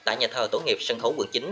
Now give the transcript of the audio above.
tại nhà thờ tổ nghiệp sân khấu quận chín